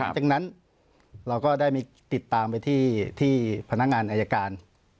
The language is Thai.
จากนั้นเราก็ได้มีติดตามไปที่พนักงานอายการ